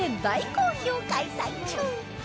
大好評開催中